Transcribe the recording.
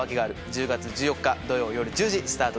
１０月１４日土曜夜１０時スタートです。